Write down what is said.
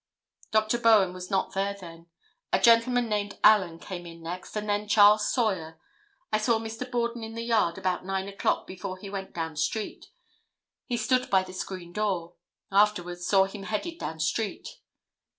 Dr. Bowen was not there then. A gentleman named Allen came in next, and then Charles Sawyer. I saw Mr. Borden in the yard about 9 o'clock, before he went down street. He stood by the screen door. Afterwards saw him headed down street."